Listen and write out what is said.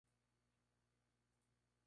Tiene lugar en marzo y abril.